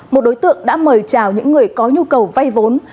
một đối tượng đã mời chào những người có nhu cầu vay vốn